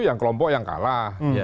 yang kelompok yang kalah